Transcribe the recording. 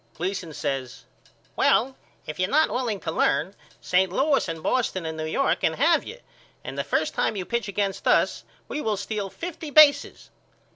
Gleason says Well if you're not willing to learn St. Louis and Boston and New York can have you and the first time you pitch against us we will steal fifty bases.